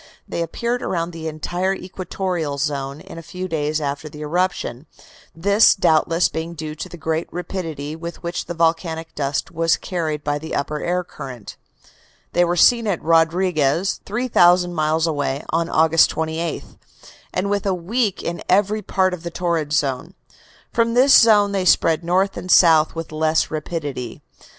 They appeared around the entire equatorial zone in a few days after the eruption, this doubtless being due to the great rapidity with which the volcanic dust was carried by the upper air current. They were seen at Rodriguez, 3,000 miles away, on August 28, and within a week in every part of the torrid zone. From this zone they spread north and south with less rapidity.